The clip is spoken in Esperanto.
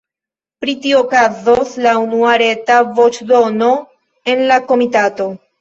Pri tio okazos la unua reta voĉdono en la komitato.